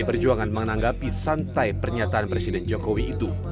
pdi perjuangan menanggapi santai pernyataan presiden jokowi itu